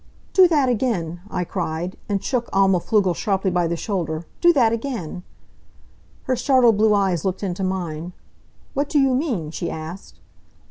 "Do that again!" I cried, and shook Alma Pflugel sharply by the shoulder. "Do that again!" Her startled blue eyes looked into mine. "What do you mean?" she asked.